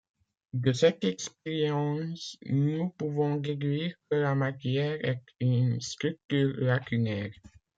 De cette expérience, nous pouvons déduire que la matière est une structure lacunaire.